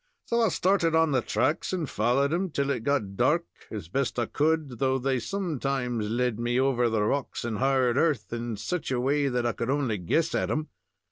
So I started on the tracks, and followed them, till it got dark, as best I could, though they sometimes led me over the rocks and hard earth, in such a way that I could only guess at 'em.